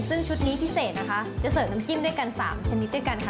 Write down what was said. ซึ่งชุดนี้พิเศษนะคะจะเสิร์ฟน้ำจิ้มด้วยกัน๓ชนิดด้วยกันค่ะ